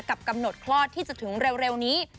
กำหนดคลอดที่จะถึงเร็วนี้